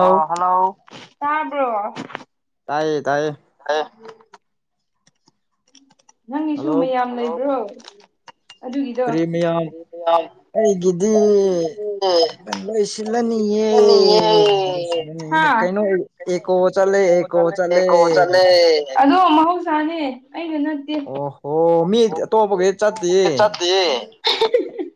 ꯑ ꯍꯜꯂꯣ ꯀ ꯍꯥꯏꯕ꯭ꯔꯣ ꯇꯥꯏꯌꯦ ꯇꯥꯏꯌꯦ ꯑꯦ ꯅꯪꯒꯤꯁꯨ ꯃꯌꯥꯝ ꯂꯩꯕ꯭ꯔꯣ ꯑꯗꯨꯒꯤꯗꯣ ꯌꯦ ꯍꯥ ꯀ ꯆ ꯀ ꯆꯦ ꯑꯗꯣ ꯃꯍꯧꯁꯥꯅꯦ ꯑꯩꯩꯅ ꯅ ꯑꯣ ꯍꯣ ꯃꯤ ꯑꯇꯣꯞꯄꯈꯩ ꯆꯠꯂꯤ [inaudible]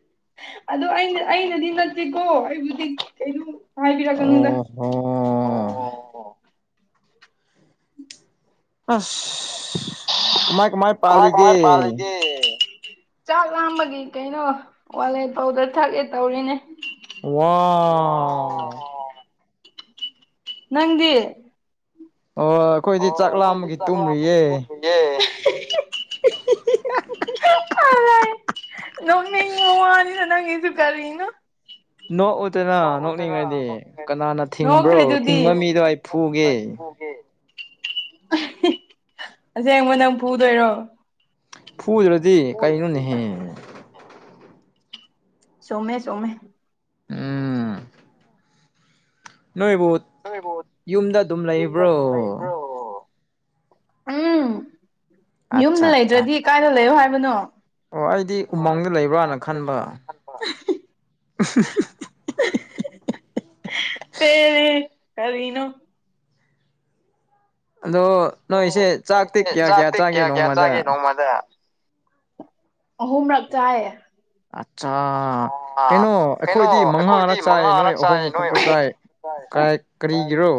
ꯑꯗꯣ ꯑ ꯑꯩꯅꯗꯤ ꯅꯠꯇꯦꯀꯣ ꯑꯩꯕꯨꯗꯤ ꯀꯩꯅꯣ ꯍꯥꯏꯕꯤꯔꯛꯀꯅꯤꯗ ꯑꯣ ꯑꯁ ꯀꯃꯥꯏ ꯀꯃꯥꯏ ꯄꯥꯜꯂꯤꯒꯦ ꯆꯥꯛ ꯂꯥꯝꯕꯒꯤ ꯀꯩꯅꯣ ꯋꯥꯂꯦ ꯄꯥꯎꯗꯔ ꯊꯛꯂꯦ ꯇꯧꯔꯤꯅꯦ ꯑꯣ ꯅꯪꯒꯤ ꯑꯣ ꯑꯩꯈꯣꯏꯗꯤ ꯆꯥꯛ ꯂꯥꯃꯒꯤ ꯇꯨꯝꯔꯤꯌꯦ ꯌꯦ ꯎ ꯅꯪ ꯅꯉ ꯋꯥꯅꯤꯅ ꯅꯪ ꯑꯩꯁꯨꯨꯒꯥꯔꯤꯅ ꯅꯣꯛꯎꯗꯅ ꯅꯣꯛꯅꯤꯡꯉꯗꯤ ꯀꯅꯥꯅ ꯊꯤꯡꯕ꯭ꯔꯣ ꯊꯤꯡꯕ ꯃꯤꯗꯣ ꯑꯩ ꯐꯨꯒꯦ ꯑꯁꯤꯁ ꯑꯩꯉꯣꯟ ꯅꯪ ꯄꯨꯗꯣꯏꯔꯣ ꯐꯨꯗ꯭ꯔꯗꯤ ꯀꯩꯅꯣꯅꯦꯍꯦ ꯁꯣꯃꯦ ꯁꯣꯃꯦ ꯎꯝ ꯅꯣꯏꯕꯣꯠ ꯌꯨꯝꯗ ꯌꯨꯝꯗ ꯂꯩꯕ꯭ꯔꯣ ꯎꯝ ꯌꯨꯝꯗ ꯂꯩꯗ꯭ꯔꯗꯤ ꯀꯥꯏꯗ ꯂꯩꯌꯣ ꯍꯥꯏꯕꯅꯣ ꯑꯣ ꯑꯩꯗꯤ ꯎꯃꯪꯗ ꯂꯩꯕ꯭ꯔꯥꯅ ꯈꯟꯕ ꯄꯔ ꯀꯔꯤꯅꯣ ꯑꯗꯣ ꯅꯣꯏꯁꯦ ꯆꯥꯛꯇꯤ ꯀꯌꯥ ꯀꯌꯥ ꯆꯥꯒꯦ ꯅꯣꯡꯃꯗ ꯑꯗ ꯑꯍꯨꯝꯔꯛ ꯆꯥꯏꯌꯦ ꯑꯠꯆꯥ ꯀꯩꯅꯣ ꯑꯩꯈꯣꯏꯗꯤ ꯃꯉꯥꯔꯛ ꯆꯥꯏ ꯅꯣꯏ ꯑꯍꯨꯝ ꯈꯛꯇ ꯆꯥꯏ ꯀꯥꯏ ꯀꯔꯤꯒꯤꯔꯣ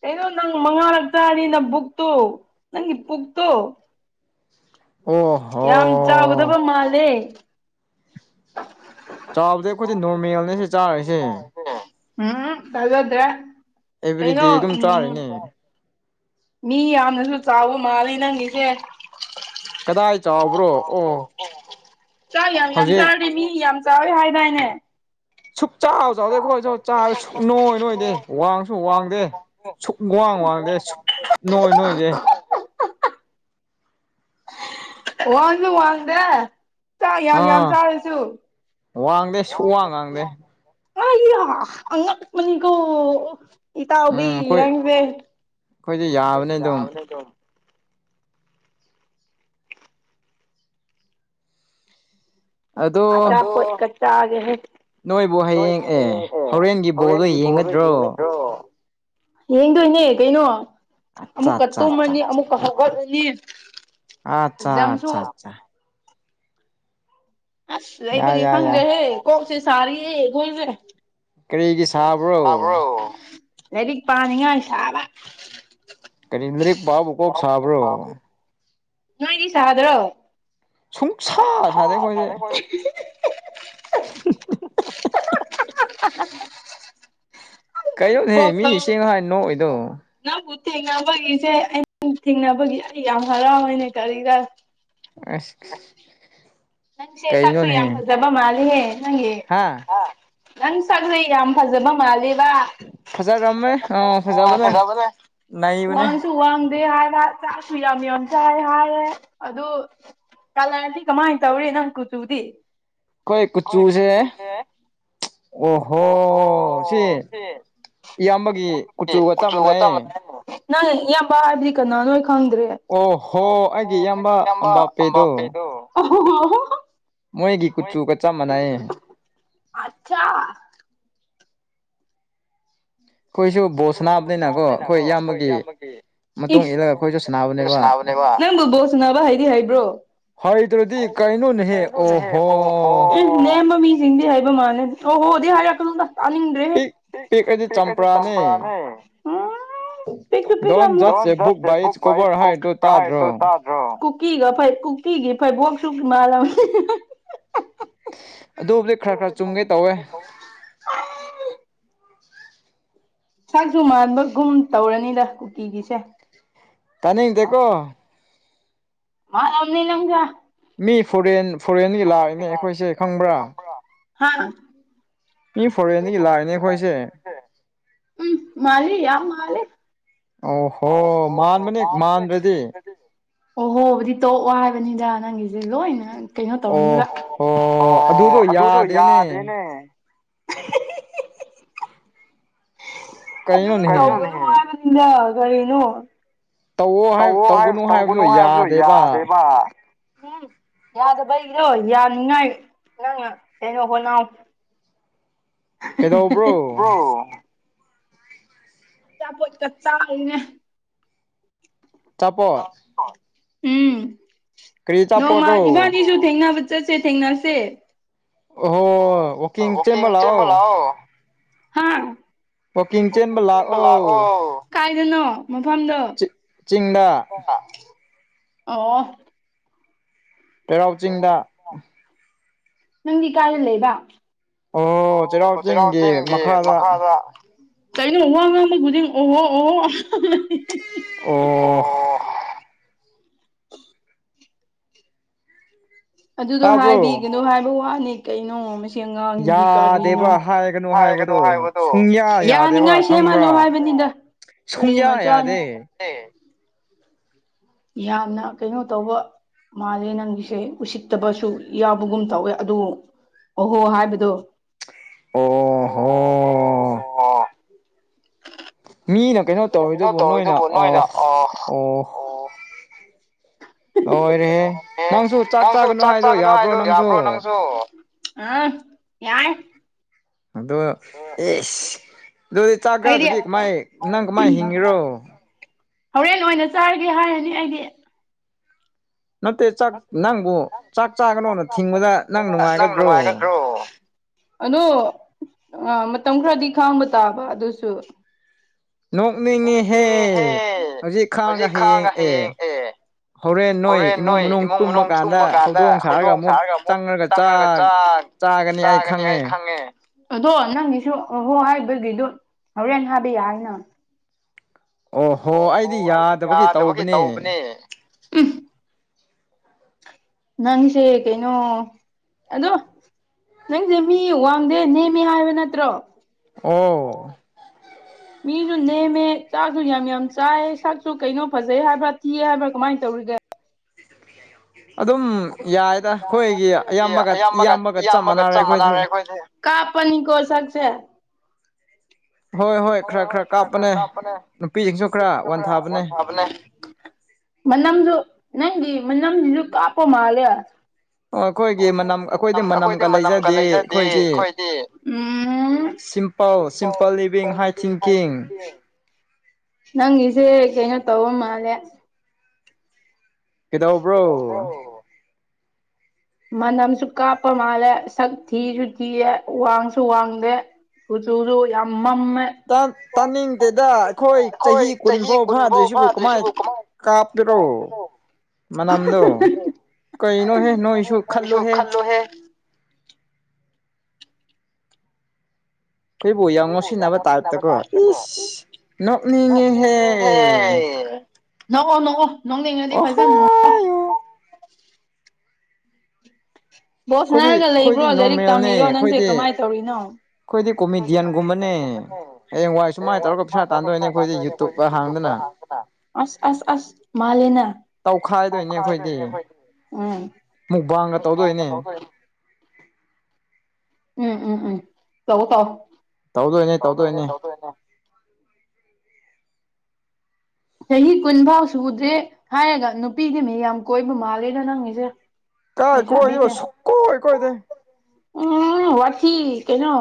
ꯀꯩꯅꯣ ꯅꯪ ꯃꯉꯥꯔꯛꯇꯥꯅꯤ ꯅꯪ ꯕꯨꯛꯇꯣ ꯅꯪꯒꯤ ꯄꯨꯛꯇꯣ ꯌꯥꯝ ꯆꯥꯎꯒꯗꯕ ꯃꯥꯜꯂꯦ ꯆꯥꯕꯗ ꯑꯩꯈꯣꯏꯗꯤ ꯅꯣꯔꯃꯦꯜꯅꯦ ꯁꯤ ꯆꯥꯔꯁꯦ ꯎꯝ ꯇꯥꯖꯗ꯭ꯔꯦ ꯀꯩꯅꯣ ꯎꯝ ꯃꯤ ꯌꯥꯝꯅꯁꯨ ꯆꯥꯎꯕ ꯃꯥꯂꯦ ꯅꯪꯒꯤꯁꯦ ꯀꯗꯥꯏ ꯆꯥꯎꯕ꯭ꯔꯣ ꯑꯣ ꯆꯥꯛ ꯌꯥꯝ ꯌꯥꯝ ꯆꯥꯔꯤ ꯃꯤ ꯌꯥꯝ ꯆꯥꯎꯋꯦ ꯍꯥꯏꯗꯥꯏꯅꯦ ꯁꯨꯛ ꯆꯥꯕ ꯆꯥꯗꯩ ꯑꯩꯈꯣꯏꯁꯨ ꯆꯥꯔꯦ ꯁꯨꯛ ꯅꯣꯏ ꯅꯣꯏꯗꯤ ꯋꯥꯡꯁꯨ ꯋꯥꯡꯗꯦ ꯁꯨꯛ ꯋꯥꯡ ꯋꯥꯡꯗꯦ ꯁꯨꯛ ꯅꯣꯏ ꯅꯣꯏꯗꯦ ꯋꯥꯡꯅ ꯋꯥꯡꯗ꯭ꯔꯦ ꯌꯥꯝ ꯌꯥꯝ ꯆꯥꯔꯁꯨ ꯋꯥꯡꯗꯦ ꯁꯨꯛ ꯋꯥꯡ ꯉꯥꯡꯗꯦ ꯑ ꯏ ꯃꯅꯤꯒꯣ ꯏꯇꯕꯤ ꯏꯔꯕ ꯑꯩꯈꯣꯏꯗꯤ ꯌꯥꯕꯅꯤ ꯑꯗꯨꯝ ꯑꯆꯥ ꯀꯜꯀꯇꯥꯒꯦ ꯍꯦ ꯅꯣꯏ ꯍ ꯌꯦꯡꯉꯛꯑꯦ ꯍꯣꯔꯦꯟꯒꯤ ꯄꯣ ꯂꯣꯏ ꯌꯦꯡꯉꯗ꯭ꯔꯣ ꯌꯦꯡꯗꯣꯏꯅꯦ ꯀꯩꯅꯣ ꯑꯃꯨꯛꯀ ꯇꯨꯝꯃꯅꯤ ꯑꯃꯨꯛꯀ ꯍꯧꯒꯠꯂꯅꯤ ꯑꯆꯥ ꯑꯆꯥ ꯑꯆꯥ ꯑꯁ ꯂꯩꯕꯒꯤ ꯈꯪꯗ꯭ꯔꯦꯍꯦ ꯀꯣꯛꯁꯦ ꯁꯥꯔꯤꯌꯦ ꯅꯣꯏꯁꯦ ꯀꯔꯤꯒꯤ ꯁꯥꯕ꯭ꯔꯣ ꯂꯥꯏꯔꯤꯛ ꯄꯥꯅꯤꯡꯉꯥꯏ ꯁꯥꯕ ꯀꯔꯤ ꯂꯔꯤꯛ ꯄꯥꯕ ꯀꯣꯛ ꯁꯥꯕ꯭ꯔꯣ ꯅꯣꯏꯥꯏꯅꯤꯁ ꯍꯥꯏꯗ꯭ꯔꯣ ꯍ ꯊꯗꯦ ꯀ [unintelligible] [unintelligible] ꯀꯩꯅꯣꯅꯦꯦ ꯃꯤ ꯏꯁꯤꯡꯦꯡ ꯍꯥꯏꯥꯟ ꯅꯣꯛꯏꯗꯣ ꯅꯪꯕꯨ ꯊꯦꯡꯅꯕꯒꯤꯁꯦ ꯑꯩꯅ ꯊꯦꯡꯅꯕꯒꯤ ꯑꯩ ꯌꯥꯝ ꯍꯔꯥꯎꯋꯦꯅꯦ ꯀꯔꯤꯗ ꯑꯁ ꯅꯪꯁꯦ ꯁꯥꯁꯨ ꯌꯥꯝ ꯐꯖꯕꯃꯜꯂꯤꯍꯦ ꯅꯪꯦ ꯍꯥꯥ ꯍꯥ ꯅꯪ ꯁꯛꯖ‌ꯦ ꯌꯥꯝ ꯐꯖꯕ ꯃꯥꯜꯂ‌ꯦꯗ ꯑꯥ ꯐꯖꯕꯅ‌ꯦ ꯋꯥꯡꯁꯨ ꯋꯥꯡꯗꯦ ꯍꯥꯏꯗ ꯆꯥꯛꯁꯨ ꯌꯥꯝ ꯌꯥꯝ ꯆꯥꯏ ꯍꯥꯏꯔꯦ ꯑꯗꯨ ꯀꯂꯔꯗꯤ ꯀꯃꯥꯏꯟ ꯇꯧꯔ‌ꯦ ꯅꯪ ꯀꯨꯆꯨꯗꯤ ꯈ‌ꯣꯏ ꯀꯨꯆꯨꯁꯦ ꯑꯣꯍꯣ ꯁꯤ ꯏꯌꯥꯝꯕꯒꯤ ꯀꯨꯆꯨꯒ ꯆꯞ ꯃꯥꯟꯅꯩꯌꯦ ꯅꯪ ꯏꯌꯥꯝꯕ ꯍꯥꯏꯕꯗꯤ ꯀꯅꯥꯅꯣ ꯑꯩ ꯈꯪꯗ꯭ꯔꯦ ꯑꯣ ꯍ‌ꯣ ꯑꯩꯒꯤ ꯏꯌꯥꯝꯕ ꯑꯝꯕꯥꯄꯦꯗ‌ꯣ ꯃꯣꯏꯒꯤ ꯀꯨꯆꯨꯒ ꯆꯞ ꯃꯥꯟꯅꯩꯌꯦ ꯑꯆꯥ ꯑꯩꯈꯣꯏꯁꯨ ꯕꯣꯜ ꯁꯥꯟꯅꯥꯕꯅꯤꯅꯀꯣ ꯑꯩꯈꯣꯏ ꯏꯌꯥꯝꯕꯒꯤ ꯏꯁ [unintelligible] ꯁꯥꯟꯅꯕꯅ‌ꯦꯕ ꯅꯪꯕꯨ ꯕꯣꯜ ꯁꯥꯟꯅꯕ ꯍꯩꯗꯤ ꯍꯩꯕ꯭ꯔꯣ ꯍꯩꯗꯔꯗꯤ ꯀꯩꯅ‌ꯣꯅ‌ꯦꯍꯦ ꯑꯣꯍꯣ ꯑꯦ ꯅꯦꯝꯕ ꯃꯤꯁꯤꯡꯗꯤ ꯍꯥꯏꯕ ꯃꯥꯜꯂ‌ꯦ ꯑꯣꯍꯣꯗꯤ ꯍꯥꯏꯔꯛꯀꯅꯨꯗ ꯇꯥꯅꯤꯡ ꯄꯤꯛ ꯄꯤꯛ ꯑꯗꯤ ꯆꯝꯄ꯭ꯔꯥꯅꯤ ꯄ꯭ꯔꯥꯅꯦ ꯎꯝ ꯄꯤꯛꯁꯨ ꯄꯤꯛꯑꯝꯔ‌ꯣꯏ ꯗꯣꯟ ꯖꯠꯁ ꯑꯦ ꯕꯨꯛ ꯕꯥꯏ ꯀꯨꯛ ꯀꯗ‌ꯣ ꯇ ꯀꯨꯀꯤꯒ ꯀꯨꯀꯤꯒꯤ ꯐꯩꯕꯣꯛꯁꯨ ꯃꯥꯜꯂꯝꯅꯤ ꯑꯗꯨꯕꯨꯗꯤ ꯈꯔ ꯈꯔ ꯆꯨꯝꯒꯦ ꯇꯧꯋꯦ ꯁꯛꯁꯨ ꯃꯥꯟꯕꯒꯨꯝ ꯇꯧꯔꯅꯤꯗ ꯀꯨꯀꯤꯒꯤꯁꯦ ꯇꯥꯅꯤꯡꯗ‌ꯦꯀꯣ ꯃꯥꯜꯂꯝꯅꯤ ꯅ‌ꯪꯁ‌ꯦ ꯃꯤ ꯐꯣꯔꯦꯟ ꯐꯣꯔꯦꯟꯗꯒꯤ ꯂꯥꯛꯏꯅꯦ ꯑꯩꯈꯣꯏꯁꯦ ꯈꯪꯕ꯭ꯔꯥ ꯍꯥ ꯃꯤ ꯐꯣꯔꯦꯟꯗꯒꯤ ꯂꯥꯛꯏꯅꯦ ꯑꯩꯈꯣꯏꯁꯦ ꯑꯣ ꯍꯣ ꯃꯥꯟꯕꯅꯤ ꯃꯥꯟꯗ꯭ꯔꯗꯤ ꯑꯣꯍꯣꯕꯨꯗꯤ ꯇꯣꯛꯑꯣ ꯍꯥꯏꯕꯅꯤꯗ ꯅꯪꯒꯤꯁꯦ ꯂꯣꯏꯅ ꯀꯩꯅꯣ ꯇꯧꯔꯅꯤꯕ ꯑꯣ ꯑꯗꯨꯗꯣ ꯌꯥꯗꯦꯅꯦ ꯑꯗꯨꯗ‌ꯣ ꯇꯧꯒꯅꯨ ꯍꯥꯏꯕꯅꯤꯗ ꯀꯔꯤꯅꯣ ꯇꯧꯑꯣ ꯍꯥꯏ ꯇꯧꯒꯅꯨ ꯍꯥꯏꯕꯗ‌ꯣ ꯌꯥꯗꯦꯕ ꯎꯝ ꯌꯥꯗꯕꯒꯤꯔ‌ꯣ ꯌꯥꯅꯤꯡꯉꯥꯏ ꯅꯪꯅ ꯀꯩꯅꯣ ꯍꯣꯠꯅꯥꯎ ꯀꯩꯗꯧꯕ꯭ꯔꯣ ꯑꯆꯥꯄꯣꯠ ꯀ ꯆꯥꯔꯤꯅꯦ ꯎꯝ ꯅꯣꯡꯃ ꯏꯕꯥꯅꯤꯁꯨ ꯊꯦꯡꯅꯕ ꯆꯠꯁꯦ ꯊꯦꯡꯅꯁꯦ ꯑꯣ ꯍ‌ꯣꯏ ꯋꯥꯛꯀꯤꯡ ꯆꯦꯟꯕ ꯂꯥꯛꯑꯣ ꯋꯥꯛꯀꯤꯡ ꯆ‌ꯦꯟꯕ ꯂꯥꯛꯑꯣ ꯀꯥꯏꯗꯅꯣ ꯃꯐꯝꯗꯣ [inaudible] ꯑꯣ ꯄ‌ꯦꯔꯥꯎ ꯆꯤꯡꯗ ꯅꯪꯗꯤ ꯀꯥꯏꯗ ꯂꯩꯕ ꯑꯣ ꯆꯩꯔꯥꯎ ꯆꯤꯡꯒꯤ ꯃꯈꯥꯗ ꯀꯩꯅꯣ ꯋꯥ ꯉꯥꯡꯕ ꯈꯨꯗꯤꯡ ꯑꯣꯍꯣ ꯑꯣꯍꯣ ꯑꯣ ꯑꯗꯨꯗꯣ ꯍꯥꯏꯕꯤꯒꯅꯨ ꯍꯥꯏꯕ ꯋꯥꯅꯤ ꯀꯩꯅꯣ ꯃ‌ꯦ ꯁꯤ ꯑꯉꯥꯡꯁꯤꯗꯤ ꯀꯔꯤꯅꯣ ꯍꯥꯏꯒꯅ‌ꯣ ꯍꯥꯏꯕꯗꯣ ꯌꯥꯅꯤꯉꯥꯏ ꯁꯦꯝꯍꯜꯂꯣ ꯍꯥꯏꯕꯅꯤꯗ ꯀꯔꯤ ꯃꯆꯥꯥꯅ‌ꯣ [inaudible] ꯌꯥ [inaudible] ꯌꯥꯝꯅ ꯀꯩꯅꯣ ꯇꯧꯕ ꯃꯥꯜꯂ‌ꯦ ꯅꯪꯒꯤꯁꯦ ꯎꯁꯤꯠꯇꯕꯁꯨ ꯌꯥꯎꯕꯒꯨꯝ ꯇꯧꯋꯦ ꯑꯗꯨ ꯑꯣꯍꯣ ꯍꯥꯏꯕꯗꯣ ꯑꯣꯍꯣ ꯃꯤꯅ ꯀꯩꯅꯣ ꯇꯧꯔꯤꯗꯨꯕꯨ ꯅꯣꯏꯅ ꯑ ꯑꯣ ꯑꯣ ꯅꯪꯁꯨ ꯆꯥꯛ ꯆꯥꯒꯅꯨ ꯍꯥꯏꯗ ꯌꯥꯕ꯭ꯔꯣ ꯅꯪꯁꯨ ꯑꯥ ꯌꯥꯏ ꯑꯗꯣ ꯑꯦꯁ ꯑꯗꯨꯗꯤ ꯆꯥꯒ ꯊꯕꯤ ꯀꯃꯥꯏ ꯅꯪ ꯀꯃꯥꯏꯅ ꯍꯤꯡꯉꯤꯔꯣ ꯍꯣꯔꯦꯟ ꯑꯣꯏꯅ ꯆꯥꯔꯒꯦ ꯍꯥꯏꯔꯅꯤ ꯑꯩꯗꯤ ꯅꯠꯇꯦ ꯆꯥꯛ ꯅꯪꯕꯨ ꯆꯥꯛ ꯆꯥꯒꯅꯣꯅ ꯊꯤꯡꯕꯗ ꯅꯪ ꯅꯨꯡꯉꯥꯏꯒꯗ꯭ꯔꯣ ꯑꯗꯣ ꯃꯇꯝ ꯈꯔꯗꯤ ꯈꯥꯡꯕ ꯇꯥꯕ ꯑꯗꯨꯁꯨ ꯍꯧꯖꯤꯛ ꯈꯥꯡꯒ ꯍꯌꯦꯡ ꯑꯦ ꯍꯣꯔꯦꯟ ꯅꯣꯏ ꯏꯃꯨꯡ ꯃꯅꯨꯡ ꯊꯨꯝꯕ ꯀꯥꯟꯗ ꯍꯧꯗꯣꯡ ꯁꯥꯔꯒ ꯑꯃꯨꯛ ꯇꯪꯔꯒ ꯆ ꯆꯥꯒꯅꯤ ꯍꯥꯏ ꯈꯪꯉꯦ ꯑꯗꯣ ꯅꯪꯒꯤꯁꯨ ꯑꯍꯣ ꯍꯥꯏꯕꯒꯤꯗꯨ ꯍꯣꯔꯦꯟ ꯍꯥꯏꯕꯤ ꯍꯥꯏꯅ ꯑꯣꯍꯣ ꯑꯩꯗꯤ ꯌꯥꯗꯕꯒꯤ ꯇꯧꯕꯅꯦ ꯅꯪꯁꯦ ꯀꯩꯅꯣ ꯑꯗꯣ ꯅꯪꯁꯦ ꯃꯤ ꯋꯥꯡꯗꯦ ꯅꯦꯝꯃꯤ ꯍꯥꯏꯕ ꯅꯠꯇ꯭ꯔꯣ ꯑꯣ [inaudible] ꯃꯤꯁꯨ ꯅꯦꯝꯃꯦ ꯆꯥꯁꯨ ꯌꯥꯝ ꯌꯥꯝ ꯆꯥꯏꯌꯦ ꯁꯛꯁꯨ ꯀꯩꯅꯣ ꯐꯖꯩ ꯍꯥꯏꯕ꯭ꯔꯥ ꯊꯤꯑ ꯍꯥꯏꯕ꯭ꯔꯥ ꯀꯃꯥꯏꯅ ꯇꯧꯔꯤꯒꯦ ꯑꯗꯨꯝ ꯌꯥꯏꯗ ꯑꯩꯈꯣꯏꯒꯤ ꯑꯌꯥꯝꯕꯒ ꯏꯌꯥꯝꯕꯒ ꯆꯞ ꯃꯥꯟꯅꯔꯦ ꯑꯩꯈꯣꯏꯗꯤ ꯀꯥꯞꯄꯅꯤ ꯀꯣꯁꯛꯁꯦ ꯍꯣꯏ ꯍꯣꯏ ꯈꯔ ꯈꯔ ꯀꯥꯞꯄꯅꯦ ꯅꯨꯄꯤꯁꯤꯡꯁꯨ ꯈꯔ ꯋꯥꯟꯊꯥꯕꯅꯦ [inaudible] ꯃꯅꯝꯁꯨ ꯅꯪꯗꯤ ꯃꯅꯝꯁꯤꯁꯨ ꯀꯥꯞꯄ ꯃꯥꯜꯂꯦ ꯑꯣ ꯑꯩꯈꯣꯏꯗꯤ ꯃꯅꯝ ꯑꯩꯈꯣꯏꯗꯤ ꯃꯅꯝꯒ ꯂꯩꯖꯗꯦ ꯑꯩꯈꯣꯏꯗꯤ ꯄꯥꯎ ꯁꯤꯝꯄꯜ ꯂꯤꯚꯡ ꯍꯥꯏ ꯊꯤꯡꯀꯤꯡ ꯅꯪ ꯏꯖꯦ ꯀꯩꯅꯣ ꯇꯧꯋꯥ ꯃꯥꯂꯦ ꯀꯥꯗꯕ꯭ꯔꯣ ꯃꯅꯝꯁꯨ ꯀꯥꯞꯄ ꯃꯥꯜꯂꯦ ꯁꯛ ꯊꯤꯁꯨ ꯊꯤꯌꯦꯦ ꯋꯥꯡꯁꯨ ꯋꯥꯡꯗꯦ ꯎ ꯆꯨꯁꯨꯨ ꯌꯥꯝ ꯃꯝꯃꯦ ꯇꯥꯅꯤꯡꯗꯦꯗ ꯑꯩꯈꯣꯏ ꯆꯍꯤ ꯀꯨꯟꯐꯥꯎ ꯐꯗ꯭ꯔꯤꯁꯤꯕꯨ ꯀꯃꯥꯏꯅ ꯀꯥꯞꯇꯔꯣ ꯃꯅꯝꯗꯣ ꯀꯩꯅꯣꯍꯦ ꯅꯣꯏꯁꯨ ꯍꯁꯨ ꯈꯜꯂꯣꯍꯦ ꯑꯩꯈꯣꯏꯕꯨ ꯌꯥꯝ ꯉꯣꯁꯤꯟꯅꯕ ꯇꯥꯏꯞꯇ ꯀꯣ ꯏꯁ ꯅꯧ ꯃꯤ ꯅꯣꯡꯉꯣ ꯅꯣꯡꯉꯣ ꯅꯧꯅꯤꯡꯉꯗꯤ ꯐꯖꯅꯣ ꯕꯣꯁꯅꯔꯒ ꯂꯩꯕ꯭ꯔꯣ ꯂꯥꯏꯔꯤꯛ ꯇꯝꯃꯤꯔꯣ ꯅꯪꯁꯦ ꯀꯃꯥꯏꯅ ꯇꯧꯔꯤꯅꯣ ꯑꯩꯈꯣꯏꯗꯤ ꯀꯨꯝꯃꯤꯅꯤ ꯀꯨꯝꯕꯅꯤ ꯑꯦ ꯋꯥ ꯁꯃꯥꯏ ꯇꯧꯔꯒ ꯄꯥ ꯇꯥꯟꯗꯅꯦ ꯑꯩꯣꯏꯗꯤ ꯑꯁ ꯑꯁ ꯑꯁ ꯃꯥꯂꯦꯅ ꯇꯧꯈꯥꯏꯗꯣꯏꯅꯦ ꯑꯩꯈꯣꯏꯗꯤ ꯑꯩꯈꯣꯏ ꯄꯡꯅ ꯇꯧꯗꯣꯏꯅꯤ ꯎꯝ ꯎꯝ ꯎꯝ ꯇꯧ ꯇꯣ ꯇꯧꯗꯣꯏꯅꯦ ꯇꯧꯗꯣꯏꯅꯦ ꯆꯍꯤ ꯀꯨꯟ ꯐꯥꯎ ꯁꯨꯗ꯭ꯔꯦ ꯍꯥꯏꯔꯒ ꯅꯨꯄꯤꯒꯤ ꯃꯤ ꯌꯥꯝ ꯀꯣꯏꯕ ꯃꯥꯜꯂꯦꯗ ꯅꯪꯉꯁꯦ ꯀꯥꯏ ꯀꯣꯏ ꯁꯨ ꯀꯣꯣꯏ ꯀꯣꯏ ꯇꯥꯏ ꯍꯊꯤ ꯀꯩꯅꯣ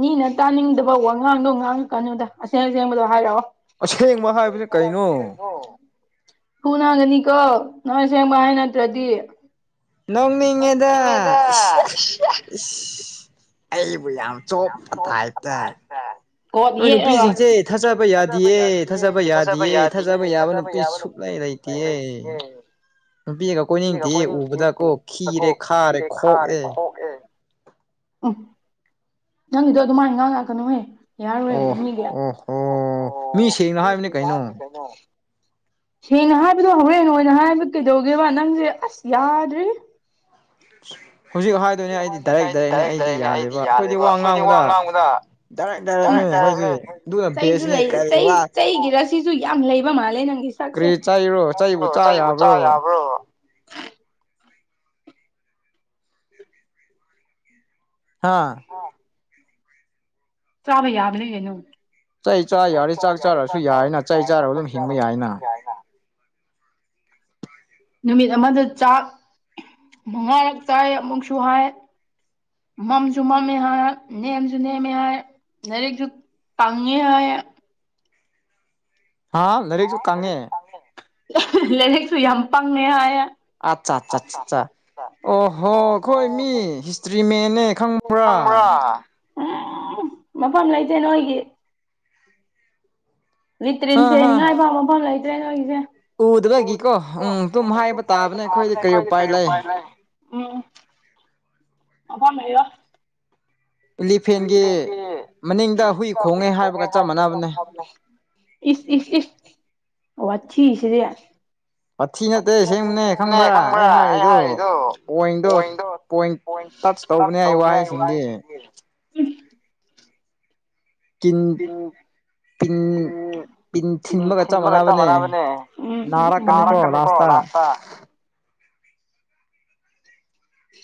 ꯃꯤꯅ ꯇꯥꯅꯤꯡꯗꯕ ꯋꯥꯉꯥꯡꯗꯣ ꯉꯥꯡꯉꯛꯀꯥꯅꯨꯗ ꯑꯁꯦꯡ ꯑꯁꯦꯡꯕꯗꯣ ꯍꯥꯏꯔꯛꯑꯣ ꯑꯁꯦꯡꯕ ꯍꯥꯏꯕꯅꯤ ꯀꯩꯅꯣ ꯑꯣ ꯍꯨꯅꯥꯒꯅꯤꯀꯣ ꯅꯪ ꯁꯦꯡꯕ ꯍꯥꯏ ꯅꯠꯇ꯭ꯔꯗꯤ ꯅꯣꯡꯅꯤꯡꯉꯤꯗ ꯑꯩꯕꯨ ꯌꯥꯝ ꯌꯥꯝꯁꯨꯣ ꯀꯁꯦ [unintelligible] ꯅꯣꯏ ꯅꯨꯄꯤꯁꯤꯡꯁꯦ ꯊꯥꯖꯕ ꯌꯥꯗꯌꯦ ꯊꯥꯖꯕ ꯌꯥꯗꯌꯦ ꯊꯥꯖꯕ ꯌꯥꯕ ꯅꯨꯄꯤ ꯁꯨꯛꯂꯩ ꯂꯩꯇ ꯀ [unintelligible] ꯅꯨꯄꯤꯁꯒ ꯀꯣꯏꯅꯤꯡꯇꯦ ꯎꯕꯗ ꯀꯣ ꯤꯔꯦ ꯈꯥꯔꯦ ꯈꯣꯛꯑꯦ ꯑ [unintelligible] ꯅꯪꯒꯤꯗꯣ ꯑꯗꯨꯃꯥꯏꯅ ꯉꯥꯡꯉꯥꯛꯀꯅꯨꯍꯦ ꯌꯥꯔꯋꯦ ꯃꯤꯒ [unintelligible] ꯍꯦꯡꯅ ꯍꯥꯏꯕꯗꯣ ꯍꯣꯔꯦꯟ ꯑꯣꯏꯅ ꯍꯥꯏꯕ ꯀꯩꯗꯧꯒꯦꯕ ꯅꯪꯁꯦ ꯑꯁ ꯌꯥꯗ꯭ꯔꯤ ꯑ ꯍꯧꯖꯤꯛ ꯍꯥꯏꯗꯣꯏꯅꯦ ꯑꯩꯗꯤ ꯗꯥꯏꯔꯦꯛ ꯗꯥꯏꯔꯦꯛꯅꯦ ꯑꯩꯗꯤ ꯌꯥꯗꯦꯕ ꯑꯩꯈꯣꯏꯗꯤ ꯋꯥ ꯉꯥꯡꯕꯗ ꯗꯥꯏꯔꯦꯛ ꯗꯥꯏꯔꯦꯛꯅꯦ ꯑꯩꯈꯣꯏꯗꯤ ꯑꯗꯨꯅ ꯕꯦꯁꯅꯦ ꯀꯔꯤ ꯋꯥ ꯁꯤꯁꯨ ꯌꯥꯝ ꯂꯩꯕ ꯃꯥꯜꯂꯦ ꯅꯪꯒꯤ ꯁꯛꯁꯦ ꯆꯩꯕꯨ ꯆ ꯌꯥꯕ꯭ꯔꯣ ꯍꯥꯥ ꯑꯥ [unintelligible] ꯆꯥꯕ ꯌꯥꯕꯅꯦ ꯌꯦꯩꯅꯨ ꯆꯩ ꯆꯥ ꯌꯥꯔꯤ ꯆꯥꯛ ꯆꯥꯔꯁꯨ ꯌꯥꯏꯅ ꯆꯩ ꯆꯥꯔꯒ ꯑꯗꯨꯝ ꯍꯤꯡꯕ ꯌꯥꯏꯅ ꯅꯨꯃꯤꯠ ꯑꯃꯗ ꯆꯥꯛ ꯃꯉꯥꯔꯛ ꯆꯥꯏ ꯑꯃꯨꯛꯁꯨ ꯍꯥꯏ ꯃꯝꯁꯨ ꯃꯝꯃꯦ ꯍꯥꯏ ꯅꯦꯝꯁꯨ ꯅꯦꯝꯃꯦ ꯍꯥꯏ ꯂꯥꯏꯔꯤꯛꯁꯨ ꯇꯉꯦ ꯍꯥꯏ ꯍꯥ ꯂꯥꯏꯔꯤꯛꯁꯨ ꯀꯪꯉꯦ ꯂꯥꯏꯔꯤꯛꯁꯨ ꯌꯥꯝ ꯄꯪꯉꯦ ꯍꯥꯏꯌꯦ ꯑꯠꯆꯥ ꯑ ꯑꯣ ꯍꯣ ꯑꯩꯈꯣꯏ ꯃꯤ ꯍꯤꯁꯇ꯭ꯔꯤ ꯃꯅꯦ ꯈꯪꯕ ꯪꯕ꯭ꯔ ꯎ ꯃꯐꯝ ꯂꯩꯇꯦ ꯅꯣꯏꯒꯤ ꯂꯤꯇ꯭ꯔꯤꯟꯁꯦ ꯉꯥꯏꯕ ꯃꯐꯝ ꯂꯩꯇ꯭ꯔꯦ ꯅꯣꯏꯒꯤꯁꯦ ꯎꯗꯕꯒꯤꯀꯣ ꯎꯪ ꯑꯗꯨꯝ ꯍꯥꯏꯕ ꯇꯥꯕꯅꯦ ꯑꯩꯈꯣꯏꯗꯤ ꯀꯔꯤ ꯎꯄꯥꯏ ꯂꯩ ꯎꯝ ꯐꯝ ꯍꯥꯏꯔ ꯏꯂꯤꯐꯦꯟꯒꯤ ꯃꯅꯤꯡꯗ ꯍꯨꯏ ꯈꯣꯡꯉꯦ ꯍꯥꯏꯕꯒ ꯆꯞ ꯃꯥꯟꯅꯕꯅꯦ ꯏꯁ ꯏ ꯏ ꯑꯣꯤ ꯁꯤꯗꯤꯦ ꯑꯗꯨ ꯅꯠꯇꯦꯅꯦ ꯈꯪꯕ꯭ꯔꯥ ꯑꯩ ꯍꯥꯏꯔꯤꯗꯣꯗꯣ ꯣꯏ ꯁꯧꯅꯦ ꯏ ꯋꯥ ꯊꯦ ꯇꯝ ꯎ ꯊꯤꯟꯕꯒ ꯆꯞ ꯃꯥꯟꯅꯕꯅꯦ ꯅꯥꯔꯛꯀꯅꯤꯀꯣ ꯂꯥꯁꯇ ꯎ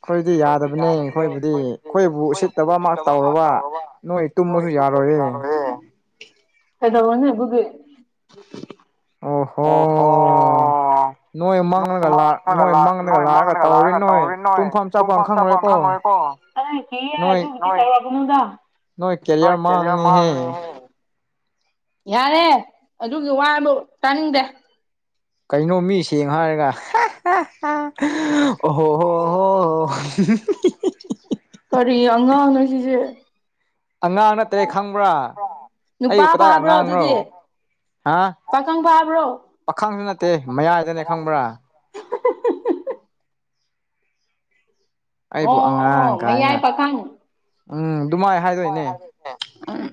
ꯑꯩꯈꯣꯏꯗꯤ ꯌꯥꯗꯕꯅꯤ ꯑꯩꯈꯣꯏꯕꯨꯗꯤ ꯑꯩꯈꯣꯏꯕꯨ ꯁꯤꯠꯇꯕ ꯑꯃ ꯇꯧꯔꯕ ꯅꯣꯏ ꯇꯨꯝꯃꯁꯨ ꯌꯥꯔꯣꯏꯦ ꯍꯥꯏꯗ ꯑꯣꯅꯦ ꯨꯒꯦ ꯑꯣ ꯍꯣ ꯑꯣ ꯅꯥꯡ ꯅꯣꯏ ꯃꯃꯥꯡꯗꯒ ꯂꯥꯛꯑꯒ ꯇꯧꯔꯤꯅꯤ ꯅꯣꯏ ꯇꯨꯝ ꯐꯥꯝ ꯆ ꯈꯪꯉꯔꯦꯀꯣ ꯅꯣꯏ ꯀꯂꯤꯌꯥꯂꯤꯌꯥꯔ ꯃꯥꯥꯡꯅꯤꯦ ꯌꯥꯔꯦ ꯑꯗꯨꯒꯤ ꯋꯥꯕꯨ ꯇꯥꯅꯤꯡꯗꯦ ꯀꯩꯅꯣ ꯃꯤ ꯁꯦꯡꯅ ꯍꯥꯏꯔꯒ ꯑꯣ ꯍꯣ ꯍꯣ ꯍꯣ ꯀꯔꯤ ꯑꯉꯥꯡꯅꯣ ꯁꯤꯁꯦ ꯅꯨꯄꯥ ꯄꯥꯕ꯭ꯔꯣ ꯑꯗꯨꯗꯤ ꯄꯈꯪꯕ ꯌꯥꯕ꯭ꯔꯣ ꯄꯥꯈꯪꯁꯨ ꯅꯠꯇꯦ ꯃꯌꯥꯏꯗꯅꯦ ꯈꯪꯕ꯭ꯔꯥ ꯑꯩꯕꯨ ꯑꯉꯥꯡ ꯀꯥꯏꯅ ꯎꯝ ꯑꯗꯨꯃꯥꯏ ꯍꯥꯏꯗꯣꯏꯅꯦ ꯎꯝ ꯎꯝ